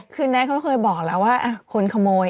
คือแน็ตเขาเคยบอกแล้วว่าคนขโมย